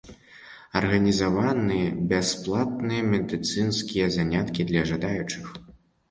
Арганізаваны бясплатныя медыцынскія заняткі для жадаючых.